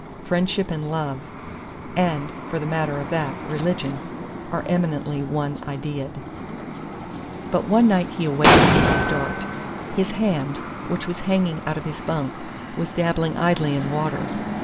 Friendship and love and, for the matter of that, religion are eminently one ideaed. But one night he awakened with a start. His hand, which was hanging out of his bunk, was dabbling idly in water.